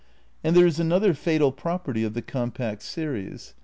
And there is another fatal property of the compact series.